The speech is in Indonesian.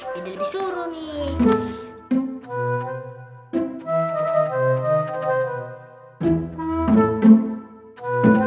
jadi lebih suruh nih